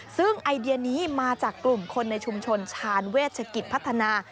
ซึ่งไอเดียนี้มาจากกลุ่มคนในชุมชนชาญเวชกิจพัฒนา